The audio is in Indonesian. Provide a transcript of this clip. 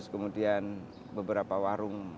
kemudian beberapa warung